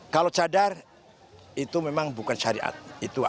kalau cadar itu memang bukan syariat